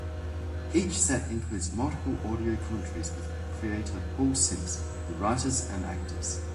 Each set includes multiple audio commentaries with creator Paul Simms, the writers and actors.